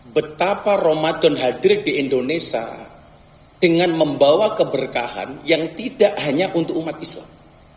betapa ramadan hadir di indonesia dengan membawa keberkahan yang tidak hanya untuk umat islam